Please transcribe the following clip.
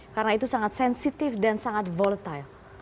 karena itu sangat sensitif dan sangat volatile